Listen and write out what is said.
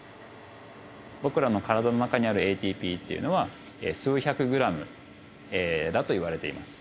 僕らの体の中にあるＡＴＰっていうのは数百グラムだと言われています。